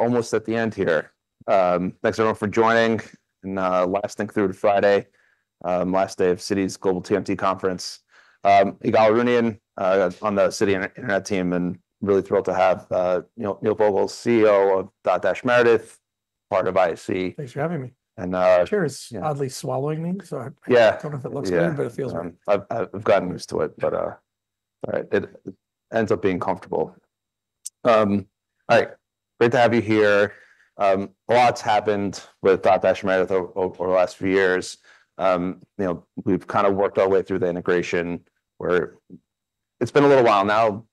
almost at the end here. Thanks, everyone, for joining. And, last thing through to Friday, last day of Citi's Global TMT Conference. Ygal Arounian, on the Citi internet team, and really thrilled to have, you know, Neil Vogel, CEO of Dotdash Meredith, part of IAC. Thanks for having me. And. Chair is oddly swallowing me, so- Yeah. I don't know if it looks good- Yeah. But it feels weird. I've gotten used to it, but it ends up being comfortable. All right, great to have you here. A lot's happened with Dotdash Meredith over the last few years. You know, we've kind of worked our way through the integration, where it's been a little while now.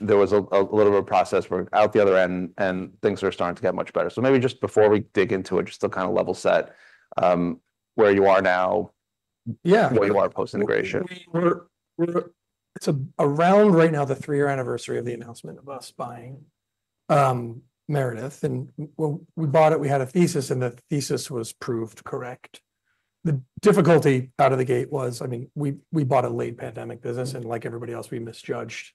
There was a little bit of process. We're out the other end, and things are starting to get much better. So maybe just before we dig into it, just to kind of level set, where you are now. Yeah. Where you are post-integration. We're around right now the three-year anniversary of the announcement of us buying Meredith, and when we bought it, we had a thesis, and the thesis was proved correct. The difficulty out of the gate was, I mean, we bought a late pandemic business, and like everybody else, we misjudged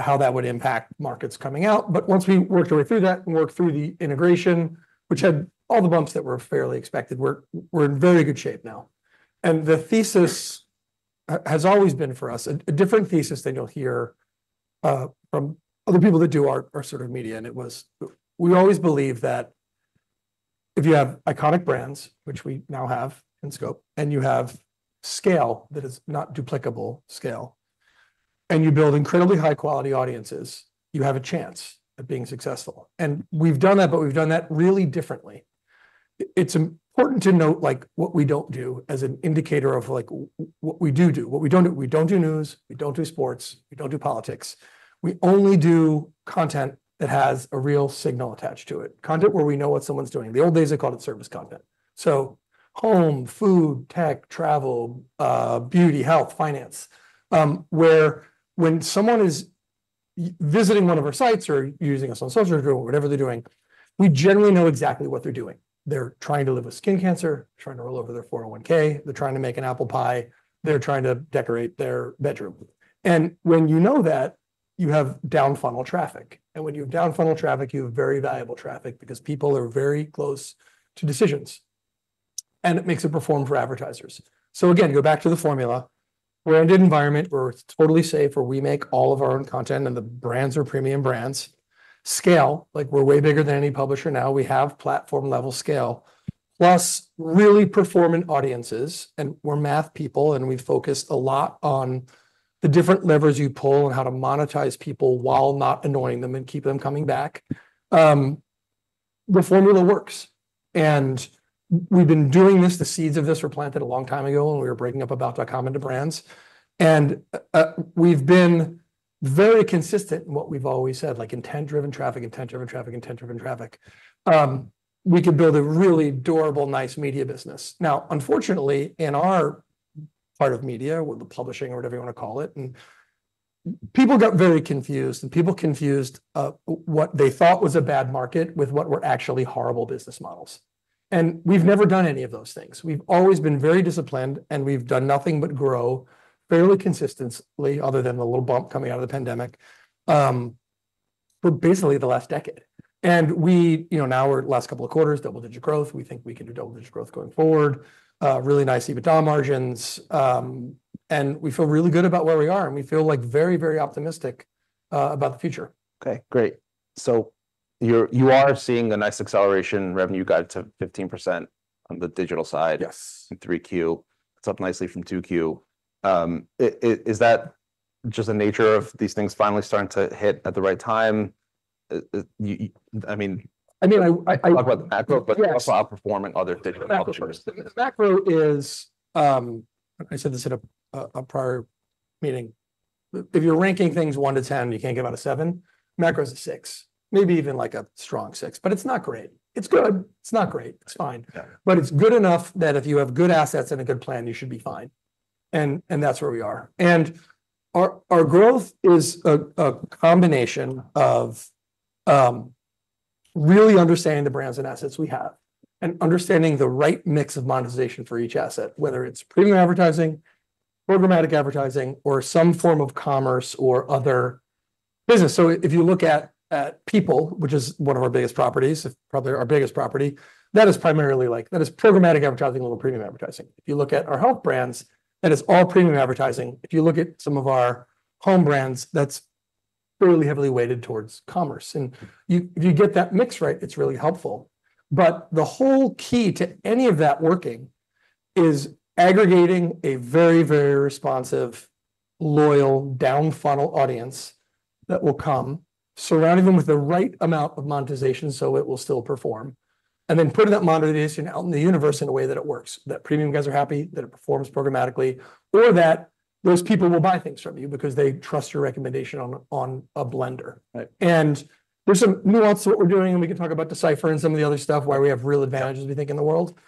how that would impact markets coming out. But once we worked our way through that and worked through the integration, which had all the bumps that were fairly expected, we're in very good shape now, and the thesis has always been, for us, a different thesis than you'll hear from other people that do our sort of media. And it was, we always believe that if you have iconic brands, which we now have in scope, and you have scale that is not duplicable scale, and you build incredibly high quality audiences, you have a chance at being successful. And we've done that, but we've done that really differently. It's important to note, like, what we don't do as an indicator of, like, what we do do. What we don't do, we don't do news, we don't do sports, we don't do politics. We only do content that has a real signal attached to it, content where we know what someone's doing. The old days, they called it service content. So home, food, tech, travel, beauty, health, finance, where when someone is visiting one of our sites or using us on social or whatever they're doing, we generally know exactly what they're doing. They're trying to live with skin cancer, trying to roll over their 401(k), they're trying to make an apple pie, they're trying to decorate their bedroom. When you know that, you have down-funnel traffic, and when you have down-funnel traffic, you have very valuable traffic because people are very close to decisions, and it makes it perform for advertisers. You go back to the formula. We're in an environment where it's totally safe, where we make all of our own content, and the brands are premium brands. Scale, like we're way bigger than any publisher now. We have platform-level scale, plus really performing audiences, and we're math people, and we focus a lot on the different levers you pull and how to monetize people while not annoying them and keep them coming back. The formula works, and we've been doing this... The seeds of this were planted a long time ago when we were breaking up About.com into brands, and we've been very consistent in what we've always said, like intent-driven traffic, intent-driven traffic, intent-driven traffic. We could build a really durable, nice media business. Now, unfortunately, in our part of media, or the publishing, or whatever you wanna call it, and people got very confused, and people confused what they thought was a bad market with what were actually horrible business models, and we've never done any of those things. We've always been very disciplined, and we've done nothing but grow fairly consistently, other than the little bump coming out of the pandemic, for basically the last decade, and we, you know, now we're last couple of quarters, double-digit growth. We think we can do double-digit growth going forward. Really nice EBITDA margins, and we feel really good about where we are, and we feel like very, very optimistic about the future. Okay, great, so you are seeing a nice acceleration in revenue guidance to 15% on the digital side. Yes. In 3Q. It's up nicely from 2Q. Is that just the nature of these things finally starting to hit at the right time? I mean- I mean. Talk about the macro. Yes. But also outperforming other digital publishers. Macro is. I said this at a prior meeting. If you're ranking things one to ten, you can't get out of seven. Macro is a six, maybe even like a strong six, but it's not great. It's good. It's not great. It's fine. Yeah. But it's good enough that if you have good assets and a good plan, you should be fine, and that's where we are. And our growth is a combination of really understanding the brands and assets we have and understanding the right mix of monetization for each asset, whether it's premium advertising, programmatic advertising, or some form of commerce or other business. So if you look at People, which is one of our biggest properties, probably our biggest property, that is primarily like... That is programmatic advertising, a little premium advertising. If you look at our health brands, that is all premium advertising. If you look at some of our home brands, that's really heavily weighted towards commerce, and if you get that mix right, it's really helpful. But the whole key to any of that working is aggregating a very, very responsive, loyal, down-funnel audience that will come, surrounding them with the right amount of monetization so it will still perform, and then putting that monetization out in the universe in a way that it works, that premium guys are happy, that it performs programmatically, or that those people will buy things from you because they trust your recommendation on a blender. Right. And there's some nuance to what we're doing, and we can talk about D/Cipher and some of the other stuff, why we have real advantages, we think, in the world.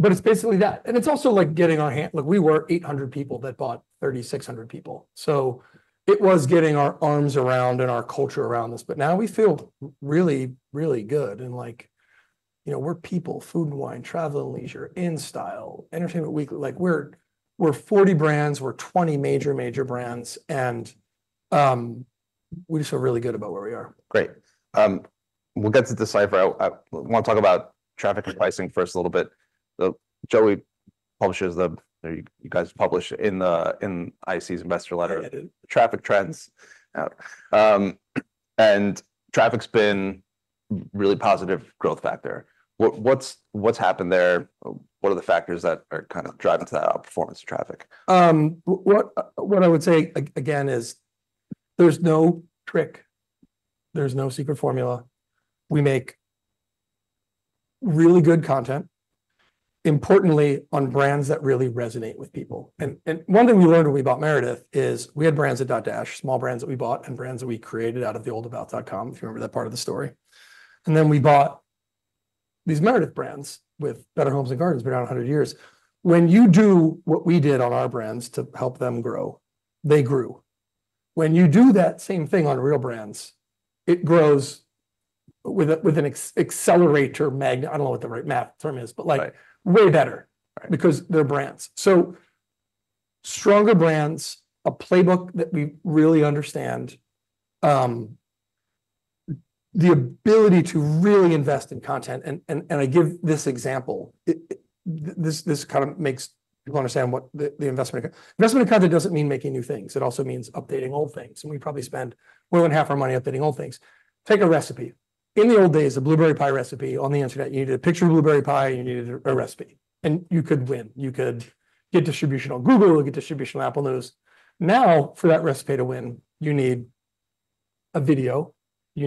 But it's basically that. And it's also like, look, we were eight hundred people that bought thirty-six hundred people, so it was getting our arms around and our culture around this. But now we feel really, really good and, like, you know, we're People, Food & Wine, Travel + Leisure, InStyle, Entertainment Weekly. Like we're, we're 40 brands. We're 20 major, major brands, and we just feel really good about where we are. Great. We'll get to D/Cipher. I wanna talk about traffic and pricing first a little bit. Joey publishes. You guys publish in the, in IAC's investor letter I did. Traffic trends, and traffic's been really positive growth factor. What's happened there? What are the factors that are kind of driving to that outperformance traffic? What I would say again is there's no trick, there's no secret formula. We make really good content, importantly, on brands that really resonate with people. And one thing we learned when we bought Meredith is we had brands at Dotdash, small brands that we bought and brands that we created out of the old About.com, if you remember that part of the story. And then we bought these Meredith brands with Better Homes & Gardens, been around a hundred years. When you do what we did on our brands to help them grow, they grew. When you do that same thing on real brands, it grows with an accelerator mag. I don't know what the right math term is, but. Right. Way better. Right. Because they're brands, so stronger brands, a playbook that we really understand, the ability to really invest in content, and I give this example. This kind of makes people understand what the investment. Investment in content doesn't mean making new things. It also means updating old things, and we probably spend more than half our money updating old things. Take a recipe. In the old days, a blueberry pie recipe on the internet, you needed a picture of blueberry pie, and you needed a recipe, and you could win. You could get distribution on Google. You get distribution on Apple News. Now, for that recipe to win, you need a video. You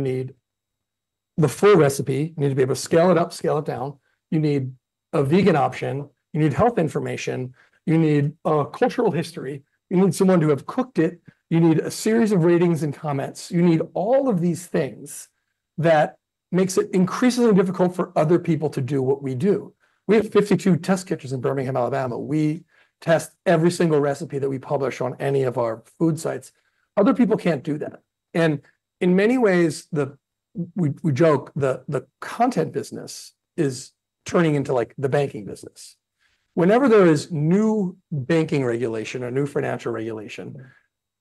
need the full recipe. You need to be able to scale it up, scale it down. You need a vegan option. You need health information. You need a cultural history. You need someone to have cooked it. You need a series of ratings and comments. You need all of these things that makes it increasingly difficult for other people to do what we do. We have 52 test kitchens in Birmingham, Alabama. We test every single recipe that we publish on any of our food sites. Other people can't do that, and in many ways, we joke that the content business is turning into, like, the banking business. Whenever there is new banking regulation or new financial regulation,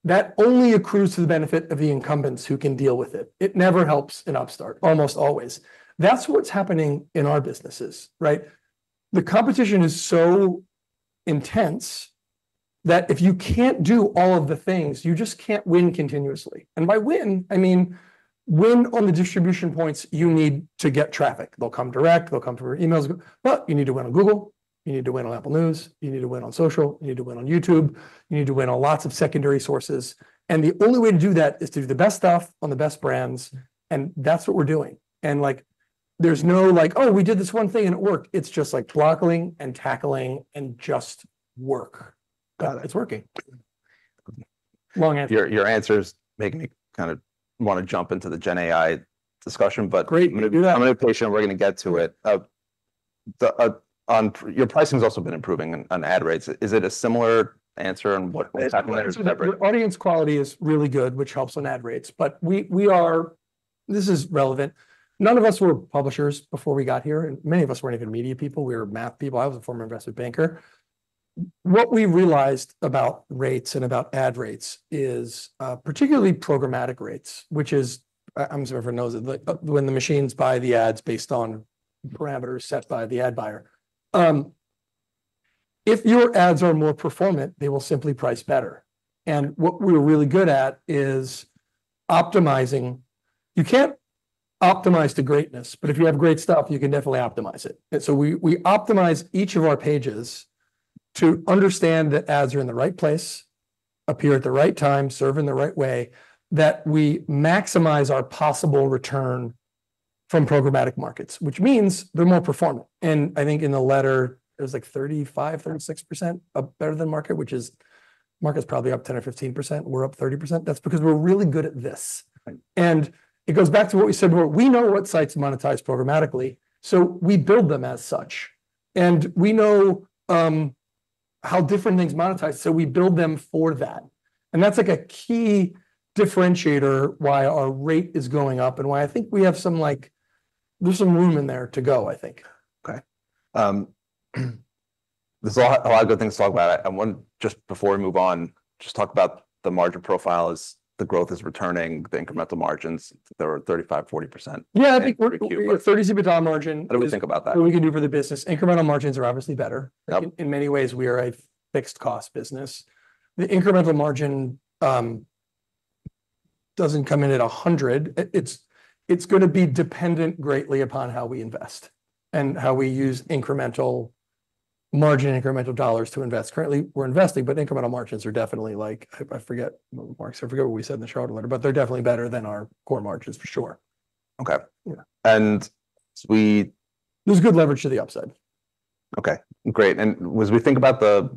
that only accrues to the benefit of the incumbents who can deal with it. It never helps an upstart, almost always. That's what's happening in our businesses, right? The competition is so intense that if you can't do all of the things, you just can't win continuously. And by win, I mean win on the distribution points you need to get traffic. They'll come direct, they'll come through our emails, but you need to win on Google, you need to win on Apple News, you need to win on social, you need to win on YouTube, you need to win on lots of secondary sources. And the only way to do that is to do the best stuff on the best brands, and that's what we're doing. And, like, there's no like, "Oh, we did this one thing, and it worked." It's just like tackling and tackling and just work. It's working. Long answer. Your answers make me kind of want to jump into the Gen AI discussion, but- Great. Let's do that. I'm gonna be patient, and we're gonna get to it. Your pricing's also been improving on ad rates. Is it a similar answer and what's happening there? Your audience quality is really good, which helps on ad rates, but this is relevant. None of us were publishers before we got here, and many of us weren't even media people. We were math people. I was a former investment banker. What we realized about rates and about ad rates is particularly programmatic rates, which is, I'm sure everyone knows it, like, when the machines buy the ads based on parameters set by the ad buyer. If your ads are more performant, they will simply price better, and what we're really good at is optimizing. You can't optimize to greatness, but if you have great stuff, you can definitely optimize it. And so we optimize each of our pages to understand that ads are in the right place, appear at the right time, serve in the right way, that we maximize our possible return from programmatic markets, which means they're more performant. And I think in the letter, it was like 35-36% better than market, which is, market's probably up 10 or 15%. We're up 30%. That's because we're really good at this. Right. It goes back to what we said, where we know what sites monetize programmatically, so we build them as such. We know how different things monetize, so we build them for that. That's, like, a key differentiator why our rate is going up and why I think we have some, like... There's some room in there to go, I think. Okay. There's a lot, a lot of good things to talk about. And one, just before we move on, just talk about the margin profile as the growth is returning, the incremental margins that are 35%-40%. Yeah, I think. Pretty cute. Thirties margin. What do we think about that? What we can do for the business. Incremental margins are obviously better. Yep. In many ways, we are a fixed cost business. The incremental margin doesn't come in at a hundred. It's gonna be dependent greatly upon how we invest and how we use incremental margin, incremental dollars to invest. Currently, we're investing, but incremental margins are definitely like, I forget marks. I forget what we said in the shareholder letter, but they're definitely better than our core margins, for sure. Okay. Yeah. And we. There's good leverage to the upside. Okay, great. And as we think about the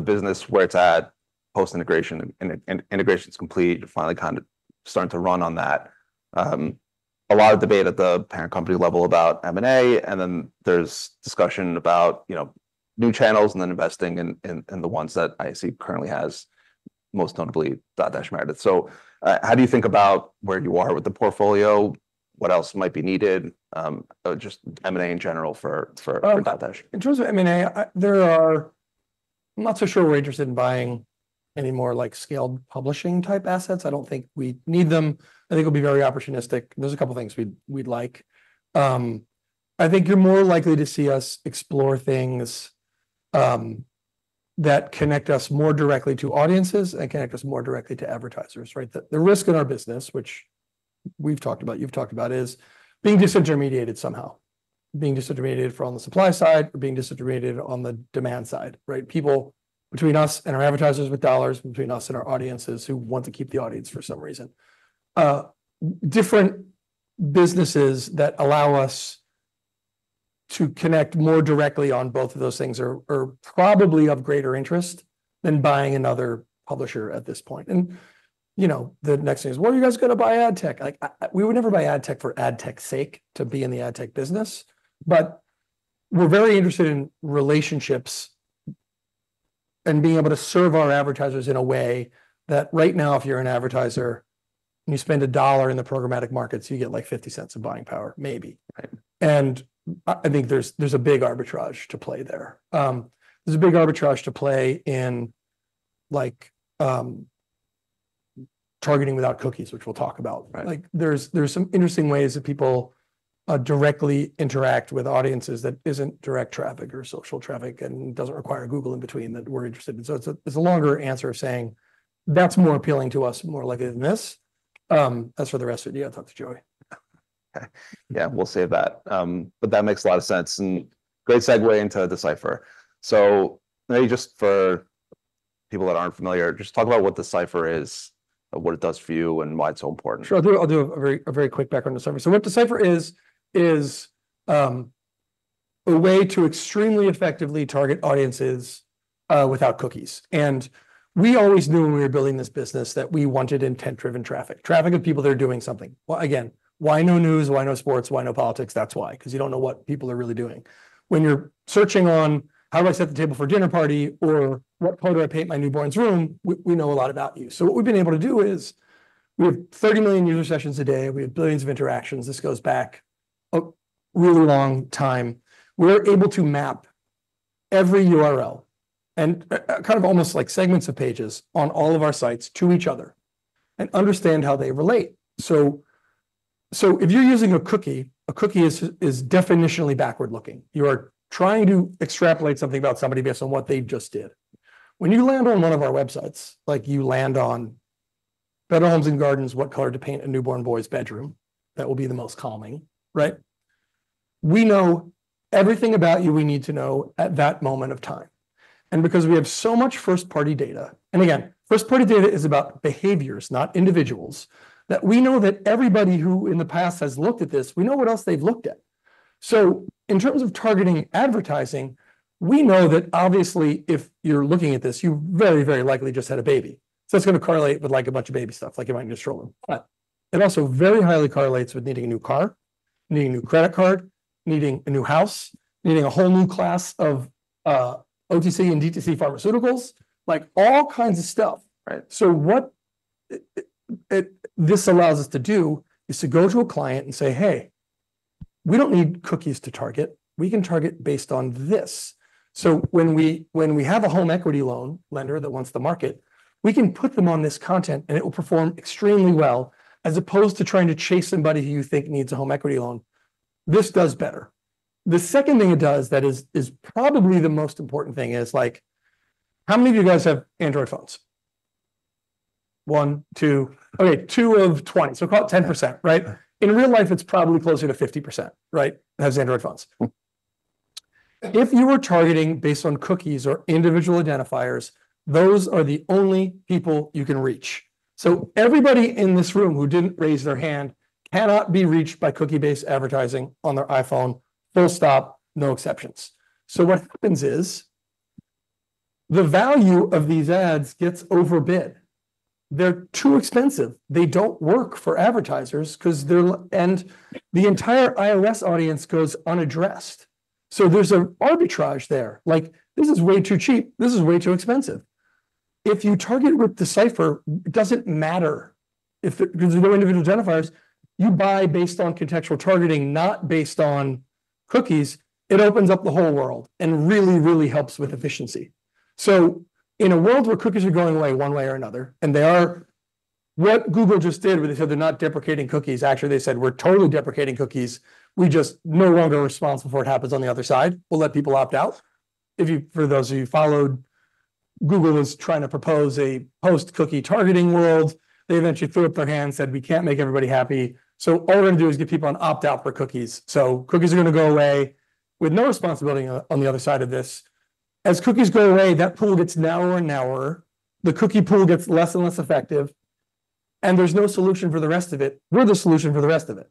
business, where it's at post-integration, and integration's complete, finally kind of starting to run on that. A lot of debate at the parent company level about M&A, and then there's discussion about, you know, new channels and then investing in the ones that IAC currently has. Most notably Dotdash Meredith. So, how do you think about where you are with the portfolio? What else might be needed? Just M&A in general for Dotdash. In terms of M&A, I'm not so sure we're interested in buying any more, like, scaled publishing-type assets. I don't think we need them. I think we'll be very opportunistic. There's a couple things we'd like. I think you're more likely to see us explore things that connect us more directly to audiences and connect us more directly to advertisers, right? The risk in our business, which we've talked about, you've talked about, is being disintermediated somehow. Being disintermediated from the supply side or being disintermediated on the demand side, right? People between us and our advertisers with dollars, between us and our audiences, who want to keep the audience for some reason. Different businesses that allow us to connect more directly on both of those things are probably of greater interest than buying another publisher at this point. You know, the next thing is, "Well, are you guys gonna buy ad tech?" Like, we would never buy ad tech for ad tech's sake, to be in the ad tech business, but we're very interested in relationships and being able to serve our advertisers in a way that right now, if you're an advertiser, and you spend $1 in the programmatic markets, you get, like, $0.50 of buying power, maybe. Right. I think there's a big arbitrage to play there. There's a big arbitrage to play in, like, targeting without cookies, which we'll talk about. Right. Like, there are some interesting ways that people directly interact with audiences that isn't direct traffic or social traffic and doesn't require Google in between, that we're interested in. So it's a longer answer of saying, "That's more appealing to us, more likely than this." As for the rest of you, I'll talk to Joey. Yeah, we'll save that. But that makes a lot of sense, and great segue into D/Cipher. So maybe just for people that aren't familiar, just talk about what D/Cipher is, and what it does for you, and why it's so important. Sure. I'll do a very quick background on D/Cipher. So what D/Cipher is, is a way to extremely effectively target audiences without cookies. And we always knew when we were building this business, that we wanted intent-driven traffic, traffic of people that are doing something. Well, again, why no news? Why no sports? Why no politics? That's why, 'cause you don't know what people are really doing. When you're searching on, "How do I set the table for a dinner party?" Or, "What color do I paint my newborn's room?" We know a lot about you. So what we've been able to do is, we have 30 million user sessions a day, we have billions of interactions. This goes back a really long time. We're able to map every URL and kind of almost like segments of pages on all of our sites to each other and understand how they relate. So if you're using a cookie, a cookie is definitionally backward-looking. You are trying to extrapolate something about somebody based on what they just did. When you land on one of our websites, like you land on Better Homes & Gardens, what color to paint a newborn boy's bedroom that will be the most calming, right? We know everything about you we need to know at that moment of time. And because we have so much first-party data. And again, first-party data is about behaviors, not individuals, that we know that everybody who, in the past, has looked at this, we know what else they've looked at. So in terms of targeting advertising, we know that obviously, if you're looking at this, you very, very likely just had a baby. So it's gonna correlate with, like, a bunch of baby stuff, like you might need a stroller. But it also very highly correlates with needing a new car, needing a new credit card, needing a new house, needing a whole new class of, OTC and DTC pharmaceuticals. Like, all kinds of stuff. Right. So what this allows us to do is to go to a client and say, "Hey, we don't need cookies to target. We can target based on this." So when we have a home equity loan lender that wants the market, we can put them on this content, and it will perform extremely well, as opposed to trying to chase somebody who you think needs a home equity loan. This does better. The second thing it does is probably the most important thing is, like, how many of you guys have Android phones? One, two... Okay, two of 20, so call it 10%, right? Right. In real life, it's probably closer to 50%, right, has Android phones. If you were targeting based on cookies or individual identifiers, those are the only people you can reach. So everybody in this room who didn't raise their hand cannot be reached by cookie-based advertising on their iPhone, full stop, no exceptions. So what happens is, the value of these ads gets overbid. They're too expensive. They don't work for advertisers 'cause, and the entire iOS audience goes unaddressed. So there's an arbitrage there. Like, this is way too cheap, this is way too expensive. If you target with D/Cipher, it doesn't matter if there's no individual identifiers. You buy based on contextual targeting, not based on cookies. It opens up the whole world and really, really helps with efficiency. So in a world where cookies are going away, one way or another, and they are. What Google just did when they said they're not deprecating cookies, actually, they said, "We're totally deprecating cookies. We're just no longer responsible for what happens on the other side. We'll let people opt out." If you, for those of you who followed, Google was trying to propose a post-cookie targeting world. They eventually threw up their hands and said, "We can't make everybody happy, so all we're gonna do is get people on opt out for cookies." So cookies are gonna go away with no responsibility on the other side of this. As cookies go away, that pool gets narrower and narrower. The cookie pool gets less and less effective, and there's no solution for the rest of it. We're the solution for the rest of it.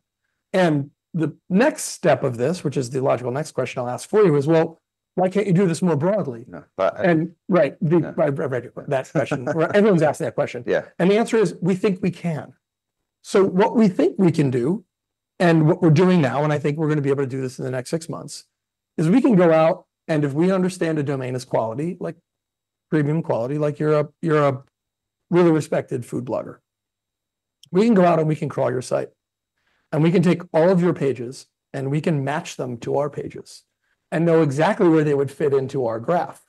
And the next step of this, which is the logical next question I'll ask for you, is, well, why can't you do this more broadly? No, but I. Right. Yeah. I read that question. Everyone's asking that question. Yeah. And the answer is: We think we can. So what we think we can do and what we're doing now, and I think we're gonna be able to do this in the next six months, is we can go out, and if we understand a domain is quality, like premium quality, like you're a really respected food blogger. We can go out, and we can crawl your site, and we can take all of your pages, and we can match them to our pages and know exactly where they would fit into our graph.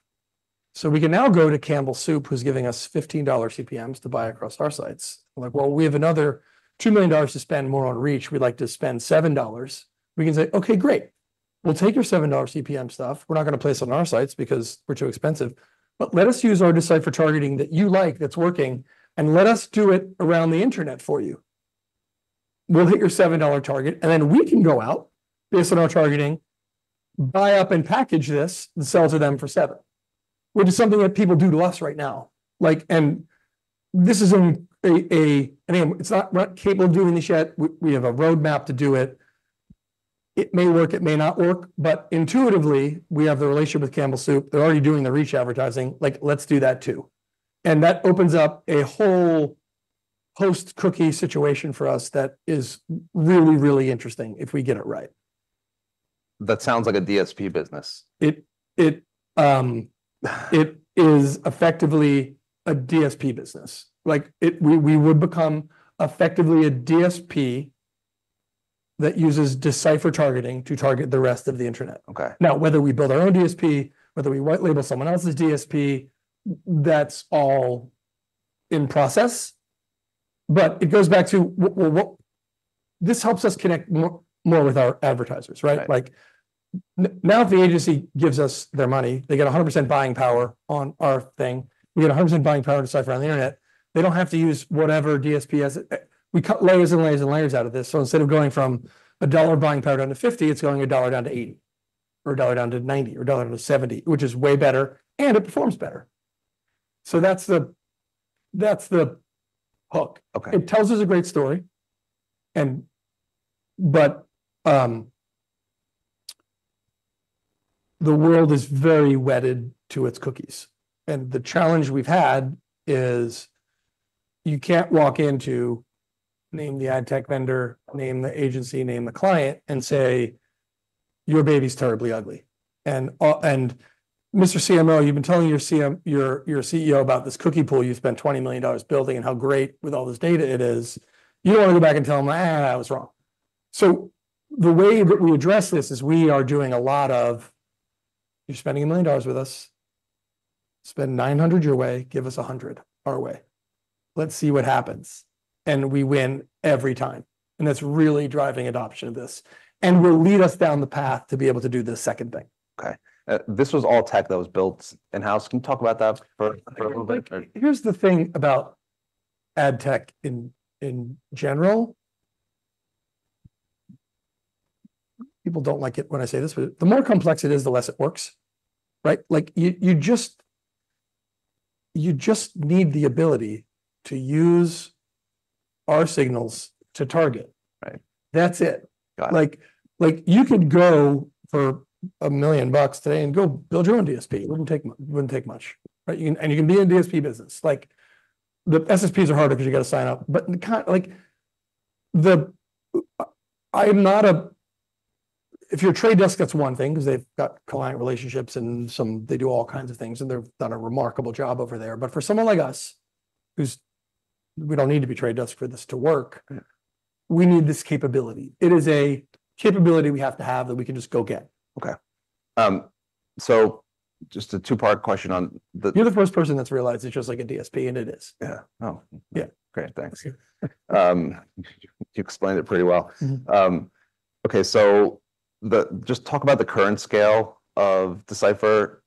So we can now go to Campbell Soup, who's giving us $15 CPMs to buy across our sites. Like, well, we have another $2 million to spend more on reach. We'd like to spend $7. We can say, "Okay, great. We'll take your $7 CPM stuff. We're not gonna place it on our sites because we're too expensive, but let us use our D/Cipher targeting that you like, that's working, and let us do it around the internet for you." We'll hit your $7 target, and then we can go out based on our targeting, buy up and package this, and sell to them for $7, which is something that people do to us right now. Like, and this is only. And it's not, we're not capable of doing this yet. We have a roadmap to do it. It may work, it may not work, but intuitively, we have the relationship with Campbell Soup. They're already doing the reach advertising. Like, let's do that, too. And that opens up a whole post-cookie situation for us that is really, really interesting if we get it right. That sounds like a DSP business. It is effectively a DSP business. Like, it, we would become effectively a DSP that uses D/Cipher targeting to target the rest of the internet. Okay. Now, whether we build our own DSP, whether we white label someone else's DSP, that's all in process. But it goes back to well, what... This helps us connect more, more with our advertisers, right? Right. Like, now, if the agency gives us their money, they get 100% buying power on our thing. We get 100% buying power D/Cipher on the internet. They don't have to use whatever DSP as... We cut layers and layers and layers out of this. So instead of going from a dollar buying power down to fifty, it's going a dollar down to eighty or a dollar down to ninety or a dollar down to seventy, which is way better, and it performs better. So that's the hook. Okay. It tells us a great story. But the world is very wedded to its cookies, and the challenge we've had is you can't walk in to name the ad tech vendor, name the agency, name the client, and say, "Your baby's terribly ugly." And, "Mr. CMO, you've been telling your CEO about this cookie pool you spent $20 million building, and how great with all this data it is." You don't wanna go back and tell them, "Ah, I was wrong." The way that we address this is we are doing a lot of, "You're spending $1 million with us. Spend $900,000 your way, give us $100,000 our way. Let's see what happens," and we win every time, and that's really driving adoption of this and will lead us down the path to be able to do the second thing. Okay. This was all tech that was built in-house. Can you talk about that for a little bit? Here's the thing about ad tech in general. People don't like it when I say this, but the more complex it is, the less it works, right? Like, you just need the ability to use our signals to target. Right. That's it. Got it. Like, you could go for $1 million today and go build your own DSP. It wouldn't take much. Right? And you can be in DSP business. Like, the SSPs are harder because you gotta sign up. But like, if you're The Trade Desk, that's one thing 'cause they've got client relationships and they do all kinds of things, and they've done a remarkable job over there. But for someone like us, who we don't need to be The Trade Desk for this to work. Yeah. We need this capability. It is a capability we have to have, that we can just go get. Okay. So just a two-part question on the- You're the first person that's realized it's just like a DSP, and it is. Yeah. Oh, yeah. Great, thanks. Yeah. You explained it pretty well. Okay, so just talk about the current scale of D/Cipher.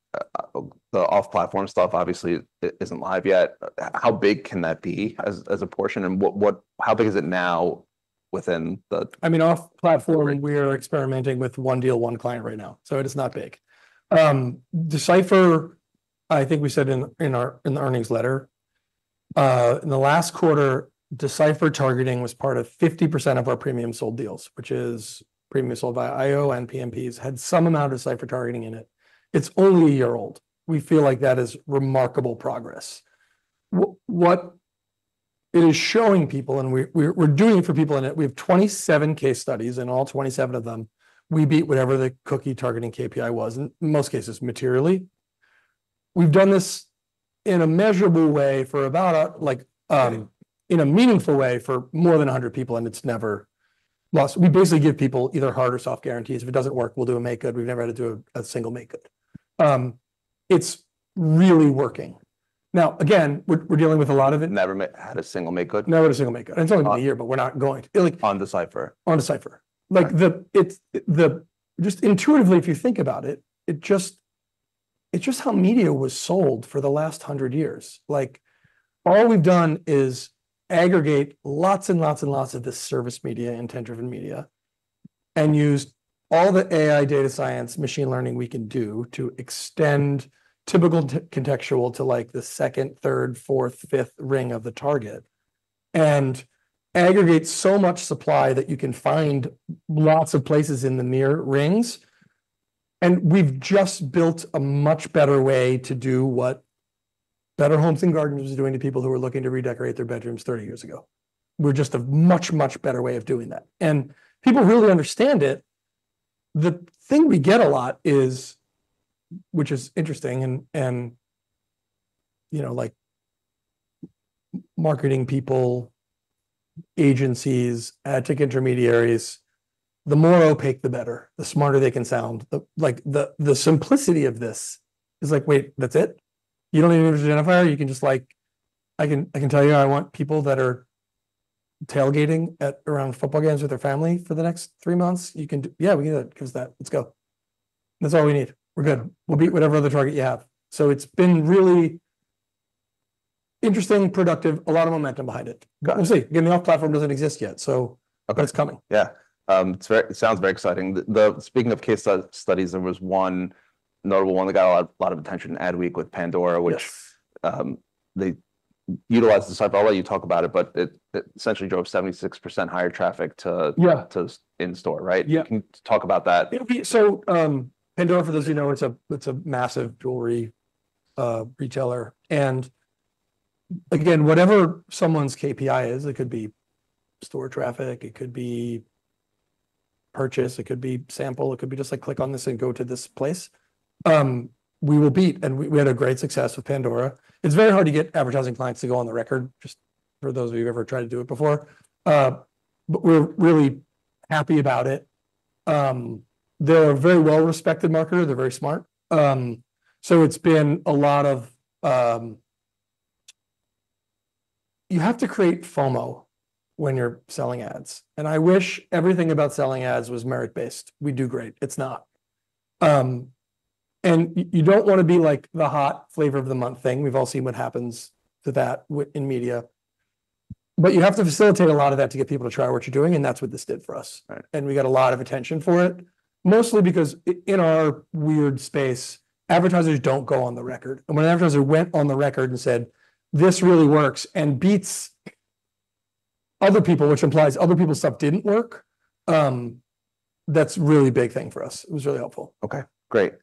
The off-platform stuff obviously isn't live yet. How big can that be as a portion, and how big is it now within the. I mean, off-platform, we are experimenting with one deal, one client right now, so it is not big. D/Cipher, I think we said in our earnings letter in the last quarter, D/Cipher targeting was part of 50% of our premium sold deals, which is premium sold by IO and PMPs, had some amount of D/Cipher targeting in it. It's only a year old. We feel like that is remarkable progress. What it is showing people, and we're doing it for people in it, we have 27 case studies, and all 27 of them, we beat whatever the cookie targeting KPI was, and in most cases, materially. We've done this in a measurable way for about, like in a meaningful way for more than a hundred people, and it's never lost. We basically give people either hard or soft guarantees. If it doesn't work, we'll do a makegood. We've never had to do a single makegood. It's really working. Now, again, we're dealing with a lot of it. Never had a single makegood? Never had a single makegood. Okay. It's only been a year, but we're not going to. On D/Cipher? On D/Cipher. Okay. Like, just intuitively, if you think about it, it's just how media was sold for the last hundred years. Like, all we've done is aggregate lots and lots and lots of this service media, intent-driven media, and used all the AI data science, machine learning we can do to extend typical contextual to, like, the second, third, fourth, fifth ring of the target, and aggregate so much supply that you can find lots of places in the near rings, and we've just built a much better way to do what Better Homes & Gardens is doing to people who are looking to redecorate their bedrooms thirty years ago. We're just a much, much better way of doing that, and people really understand it. The thing we get a lot is, which is interesting, and you know, like, marketing people, agencies, ad tech intermediaries, the more opaque, the better, the smarter they can sound. The simplicity of this is like, "Wait, that's it? You don't even use identifier, you can just like..." I can tell you, I want people that are tailgating around football games with their family for the next three months. You can do that. Yeah, we can do that. Give us that. Let's go. That's all we need. We're good. We'll beat whatever other target you have. So it's been really interesting, productive, a lot of momentum behind it. We'll see. D/Cipher platform doesn't exist yet, so. Okay. But it's coming. Yeah. It sounds very exciting. Speaking of case studies, there was one notable one that got a lot of attention, Adweek with Pandora. Yes. Which, they utilized this type. I'll let you talk about it, but it, it essentially drove 76% higher traffic to. Yeah. To in-store, right? Yeah. Can you talk about that? So, Pandora, for those of you who know, it's a, it's a massive jewelry retailer. And again, whatever someone's KPI is, it could be store traffic, it could be purchase, it could be sample, it could be just like, click on this and go to this place. We will beat, and we had a great success with Pandora. It's very hard to get advertising clients to go on the record, just for those of you who ever tried to do it before. But we're really happy about it. They're a very well-respected marketer. They're very smart. So it's been a lot of... You have to create FOMO when you're selling ads, and I wish everything about selling ads was merit-based. We'd do great. It's not. And you don't wanna be, like, the hot flavor of the month thing. We've all seen what happens to that in media. But you have to facilitate a lot of that to get people to try what you're doing, and that's what this did for us. Right. And we got a lot of attention for it, mostly because in our weird space, advertisers don't go on the record. And when an advertiser went on the record and said, "This really works," and beats other people, which implies other people's stuff didn't work, that's a really big thing for us. It was really helpful. Okay, great.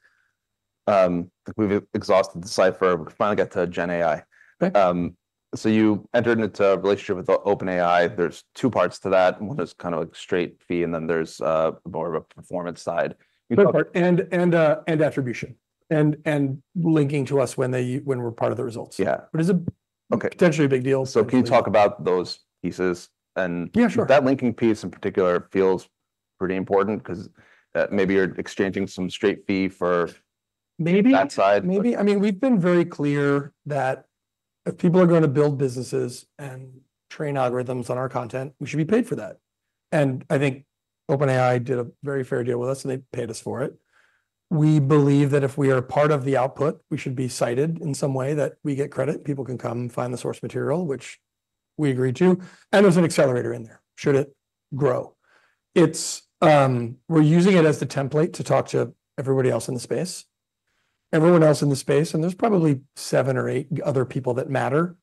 We've exhausted D/Cipher. We can finally get to GenAI. Okay. So you entered into a relationship with OpenAI. There's two parts to that, and one is kind of like a straight fee, and then there's more of a performance side. Good part, and attribution, and linking to us when they... when we're part of the results. Yeah. But it's a. Okay. Potentially a big deal. So, can you talk about those pieces and. Yeah, sure. That linking piece, in particular, feels pretty important 'cause, maybe you're exchanging some straight fee for. Maybe. That side. Maybe. I mean, we've been very clear that if people are gonna build businesses and train algorithms on our content, we should be paid for that. And I think OpenAI did a very fair deal with us, and they paid us for it. We believe that if we are a part of the output, we should be cited in some way, that we get credit. People can come find the source material, which we agreed to, and there's an accelerator in there, should it grow. It's, we're using it as the template to talk to everybody else in the space. Everyone else in the space, and there's probably seven or eight other people that matter,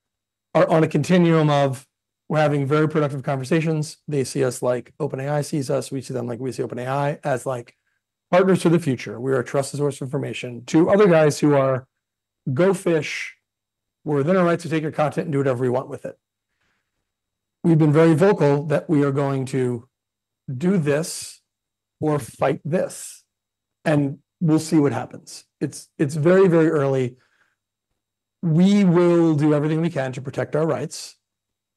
are on a continuum of we're having very productive conversations. They see us like OpenAI sees us. We see them like we see OpenAI, as like partners to the future. We are a trusted source of information to other guys who are go fish. We're within our right to take your content and do whatever we want with it. We've been very vocal that we are going to do this or fight this, and we'll see what happens. It's very, very early. We will do everything we can to protect our rights.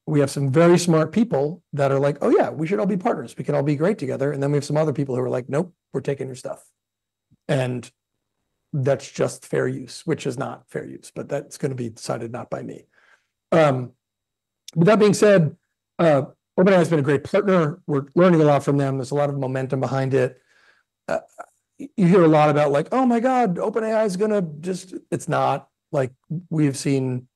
We have some very smart people that are like, "Oh yeah, we should all be partners. We can all be great together." And then, we have some other people who are like: "Nope, we're taking your stuff," and that's just fair use, which is not fair use, but that's gonna be decided not by me. With that being said, OpenAI has been a great partner. We're learning a lot from them. There's a lot of momentum behind it. You hear a lot about like, "Oh, my God, OpenAI is gonna just..." It's not. Like we've seen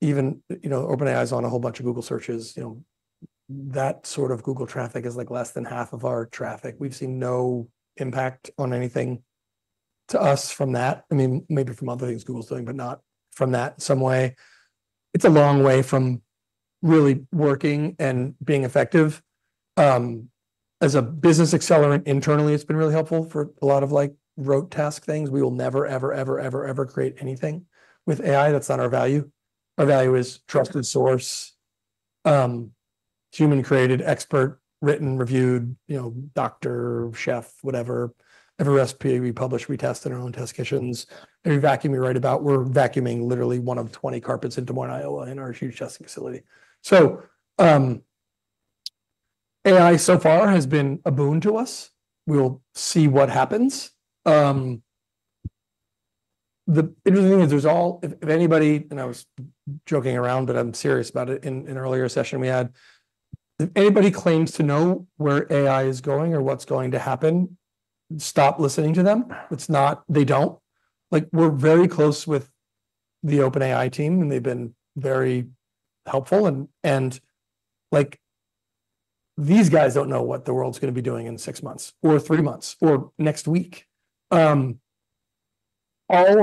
even, you know, OpenAI is on a whole bunch of Google searches, you know. That sort of Google traffic is like less than half of our traffic. We've seen no impact on anything to us from that. I mean, maybe from other things Google's doing, but not from that in some way. It's a long way from really working and being effective. As a business accelerant internally, it's been really helpful for a lot of, like, rote task things. We will never, ever, ever, ever, ever create anything with AI. That's not our value. Our value is trusted source, human-created, expert-written, reviewed, you know, doctor, chef, whatever. Every recipe we publish, we test in our own test kitchens. Every vacuum we write about, we're vacuuming literally one of twenty carpets in Des Moines, Iowa, in our huge testing facility. So, AI so far has been a boon to us. We'll see what happens. The interesting thing is, if anybody... And I was joking around, but I'm serious about it, in an earlier session we had, if anybody claims to know where AI is going or what's going to happen, stop listening to them. It's not... They don't. Like, we're very close with the OpenAI team, and they've been very helpful, like, these guys don't know what the world's gonna be doing in six months or three months or next week. All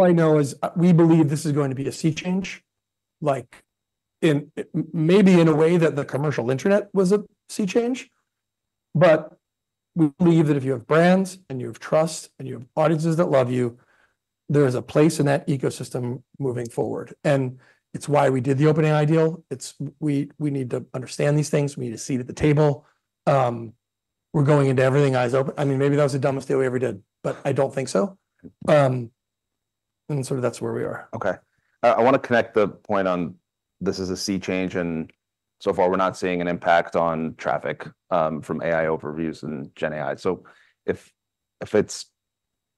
I know is, we believe this is going to be a sea change, like in, maybe in a way that the commercial internet was a sea change. But we believe that if you have brands, and you have trust, and you have audiences that love you, there is a place in that ecosystem moving forward, and it's why we did the OpenAI deal. It's. We need to understand these things. We need a seat at the table. We're going into everything eyes open. I mean, maybe that was the dumbest thing we ever did, but I don't think so, and sort of that's where we are. Okay. I wanna connect the point on this is a sea change, and so far, we're not seeing an impact on traffic from AI overviews and gen AI. So if it's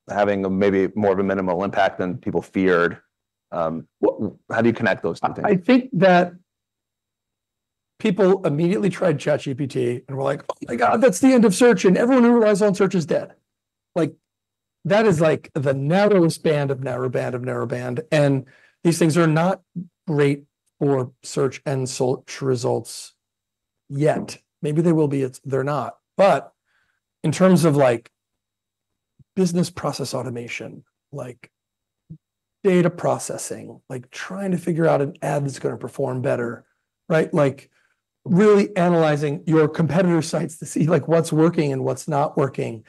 having a maybe more of a minimal impact than people feared, how do you connect those two things? I think that people immediately tried ChatGPT and were like, "Oh, my God, that's the end of search," and everyone who relies on search is dead. Like, that is like the narrowest band of narrow band of narrow band, and these things are not great for search and search results yet. Maybe they will be, they're not. But in terms of, like, business process automation, like data processing, like trying to figure out an ad that's gonna perform better, right? Like, really analyzing your competitor sites to see, like, what's working and what's not working.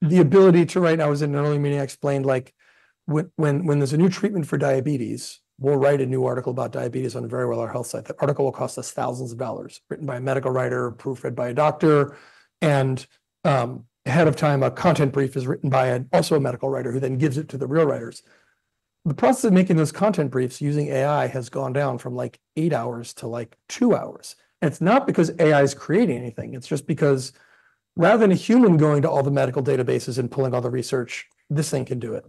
The ability to write... I was in an early meeting, I explained, like, when there's a new treatment for diabetes, we'll write a new article about diabetes on a Verywell Health site. That article will cost us thousands of dollars, written by a medical writer, proofread by a doctor, and ahead of time, a content brief is written by also a medical writer, who then gives it to the real writers. The process of making those content briefs using AI has gone down from, like, eight hours to, like, two hours. It's not because AI is creating anything, it's just because rather than a human going to all the medical databases and pulling all the research, this thing can do it.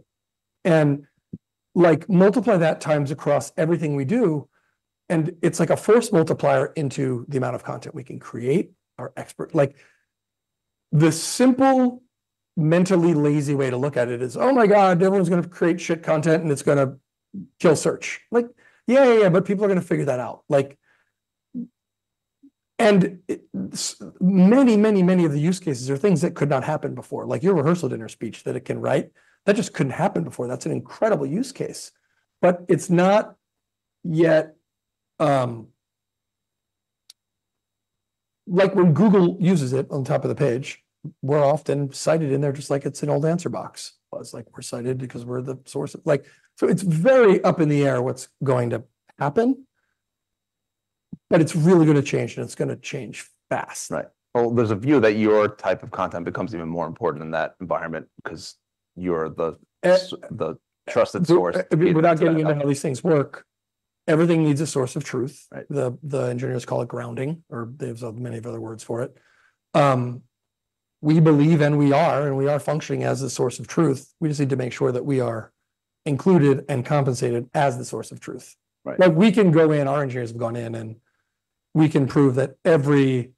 And, like, multiply that times across everything we do, and it's like a force multiplier into the amount of content we can create. Like, the simple, mentally lazy way to look at it is, "Oh, my God, everyone's gonna create shit content, and it's gonna kill search." Like, yeah, yeah, yeah, but people are gonna figure that out. Like. And so many, many, many of the use cases are things that could not happen before, like your rehearsal dinner speech that it can write, that just couldn't happen before. That's an incredible use case, but it's not yet. Like, when Google uses it on top of the page, we're often cited in there just like it's an old answer box. Well, it's like we're cited because we're the source of. Like, so it's very up in the air what's going to happen, but it's really gonna change, and it's gonna change fast. Right. Well, there's a view that your type of content becomes even more important in that environment 'cause you're the S, Eh The trusted source. Without getting into how these things work, everything needs a source of truth, right? The engineers call it grounding, or there's many other words for it. We believe, and we are, and we are functioning as a source of truth. We just need to make sure that we are included and compensated as the source of truth. Right. Like, we can go in, our engineers have gone in, and we can prove that every...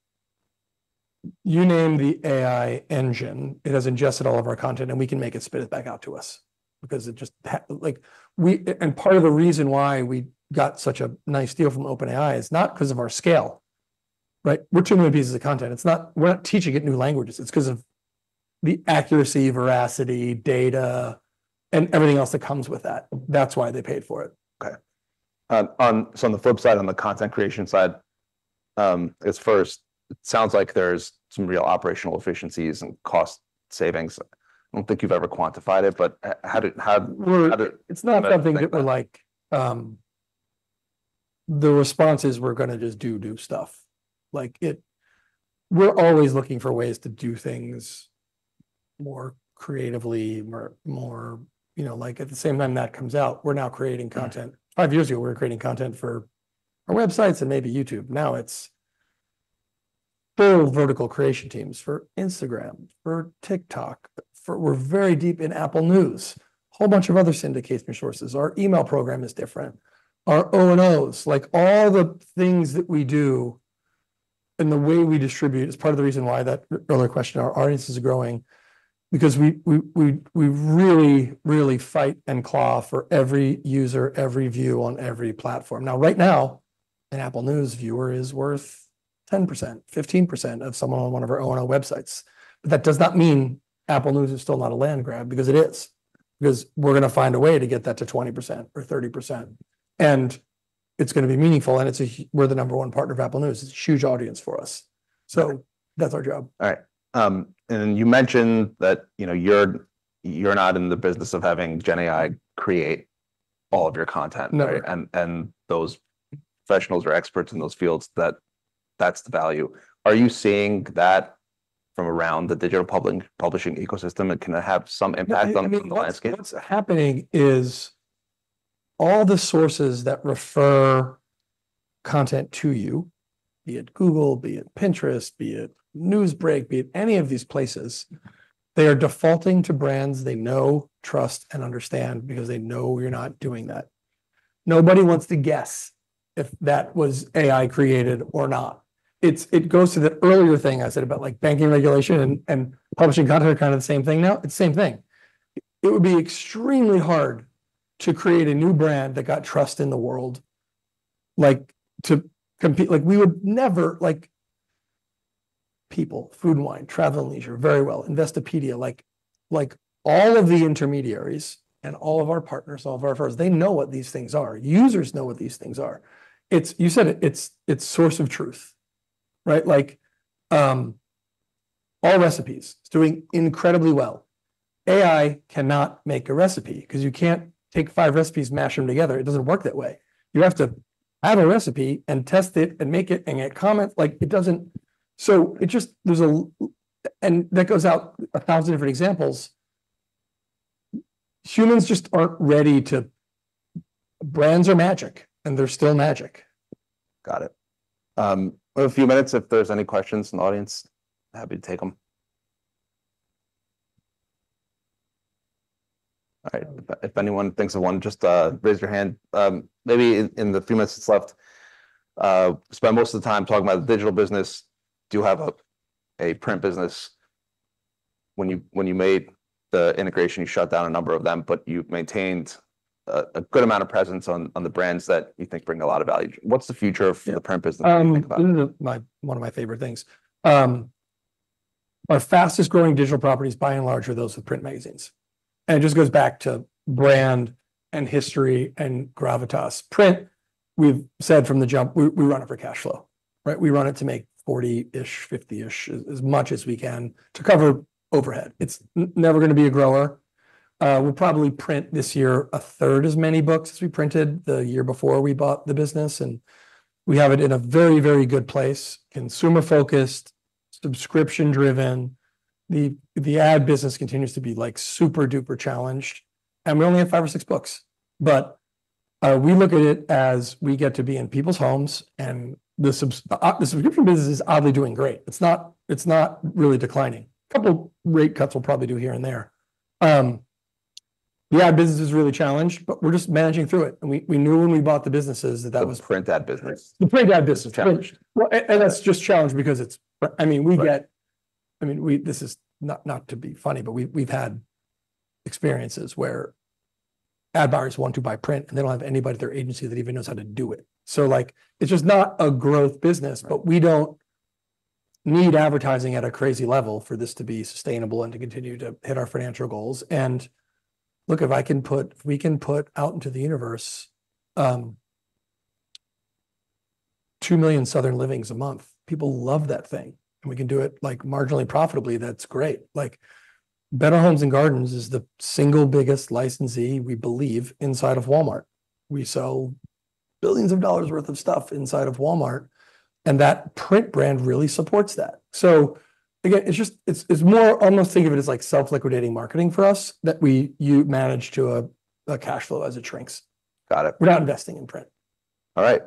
you name the AI engine, it has ingested all of our content, and we can make it spit it back out to us because it just has. Like, and part of the reason why we got such a nice deal from OpenAI is not 'cause of our scale, right? We're two million pieces of content. It's not. We're not teaching it new languages. It's 'cause of the accuracy, veracity, data, and everything else that comes with that. That's why they paid for it. Okay. So on the flip side, on the content creation side, it's first, it sounds like there's some real operational efficiencies and cost savings. I don't think you've ever quantified it, but how did, how- Well. How did. It's not something that we're like. The response is we're gonna just do stuff. Like, we're always looking for ways to do things more creatively, more. You know, like, at the same time that comes out, we're now creating content. Five years ago, we were creating content for our websites and maybe YouTube. Now, it's full vertical creation teams for Instagram, for TikTok, we're very deep in Apple News, a whole bunch of other syndication sources. Our email program is different. Our O&O's, like, all the things that we do and the way we distribute is part of the reason why that earlier question, our audience is growing because we really fight and claw for every user, every view on every platform. Now, right now, an Apple News viewer is worth 10%, 15% of someone on one of our O&O websites. But that does not mean Apple News is still not a land grab, because it is, 'cause we're gonna find a way to get that to 20% or 30%, and it's gonna be meaningful, and it's a huge... we're the number one partner of Apple News. It's a huge audience for us. Okay. That's our job. All right. And you mentioned that, you know, you're, you're not in the business of having Gen AI create all of your content. No. And those professionals or experts in those fields, that's the value. Are you seeing that from around the digital publishing ecosystem, and can it have some impact on the landscape? What's happening is all the sources that refer content to you, be it Google, be it Pinterest, be it NewsBreak, be it any of these places, they are defaulting to brands they know, trust, and understand because they know you're not doing that. Nobody wants to guess if that was AI-created or not. It goes to the earlier thing I said about, like, banking regulation and publishing content are kind of the same thing now. It's the same thing. It would be extremely hard to create a new brand that got trust in the world, like, to compete. Like, we would never, like... People, Food & Wine, Travel + Leisure, Verywell, Investopedia, like... like all of the intermediaries and all of our partners, all of our firms, they know what these things are. Users know what these things are. You said it, it's the source of truth, right? Like, Allrecipes, it's doing incredibly well. AI cannot make a recipe, 'cause you can't take five recipes, mash them together. It doesn't work that way. You have to have a recipe and test it and make it and get comments. Like, it doesn't. So it just, there's a lot, and that goes for a thousand different examples. Humans just aren't ready to... Brands are magic, and they're still magic. Got it. In a few minutes, if there's any questions from the audience, happy to take them. If anyone thinks of one, just raise your hand. Maybe in the few minutes that's left, spend most of the time talking about the digital business. Do you have a print business? When you made the integration, you shut down a number of them, but you've maintained a good amount of presence on the brands that you think bring a lot of value. What's the future of the print business? One of my favorite things. Our fastest growing digital properties, by and large, are those with print magazines, and it just goes back to brand and history and gravitas. Print, we've said from the jump, we run it for cash flow, right? We run it to make forty-ish, fifty-ish, as much as we can to cover overhead. It's never gonna be a grower. We'll probably print this year a third as many books as we printed the year before we bought the business, and we have it in a very, very good place. Consumer-focused, subscription-driven. The ad business continues to be, like, super-duper challenged, and we only have five or six books. But we look at it as we get to be in people's homes, and the subscription business is oddly doing great. It's not really declining. A couple rate cuts we'll probably do here and there. The ad business is really challenged, but we're just managing through it, and we knew when we bought the businesses that was. The print ad business. The print ad business. Challenged. And that's just challenged because it's... I mean, we get. Right. I mean, this is not to be funny, but we've had experiences where ad buyers want to buy print, and they don't have anybody at their agency that even knows how to do it. So, like, it's just not a growth business. Right. But we don't need advertising at a crazy level for this to be sustainable and to continue to hit our financial goals. And look, if I can put, if we can put out into the universe, two million Southern Livings a month, people love that thing, and we can do it like marginally profitably, that's great. Like, Better Homes & Gardens is the single biggest licensee we believe inside of Walmart. We sell billions of dollars worth of stuff inside of Walmart, and that print brand really supports that. So again, it's just, it's more, almost think of it as like self-liquidating marketing for us, that we manage to a cash flow as it shrinks. Got it. We're not investing in print. All right,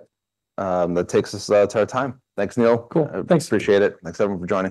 that takes us to our time. Thanks, Neil. Cool. Thanks. Appreciate it. Thanks, everyone, for joining.